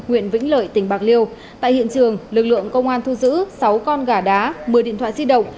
huyện vĩnh lợi tỉnh bạc liêu tại hiện trường lực lượng công an thu giữ sáu con gà đá một mươi điện thoại di động